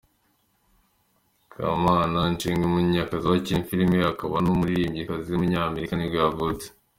Katharine McPhee, umukinnyikazi wa filime akaba n’umuririmbyikazi w’umunyamerika nibwo yavutse.